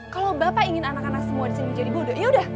kalau bapak ingin anak anak semua disini menjadi bodoh ya udah